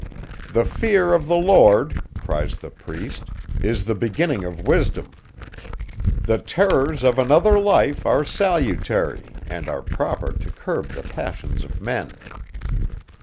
"The fear of the Lord," cries the priest, "is the beginning of wisdom. The terrors of another life are salutary, and are proper to curb the passions of men."